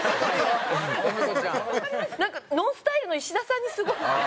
なんかＮＯＮＳＴＹＬＥの石田さんにすごい。